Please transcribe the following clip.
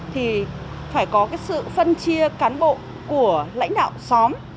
thì phải có cái sự phân chia cán bộ của lãnh đạo xóm